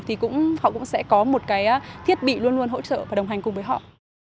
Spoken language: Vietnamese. thì họ cũng sẽ có một cái thiết bị luôn luôn hỗ trợ và đồng hành cùng với họ